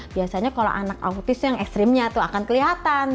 biasanya kalau anak autis yang ekstrimnya tuh akan kelihatan